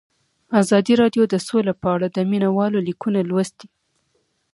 ازادي راډیو د سوله په اړه د مینه والو لیکونه لوستي.